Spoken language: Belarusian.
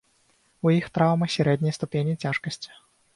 У іх траўмы сярэдняй ступені цяжкасці.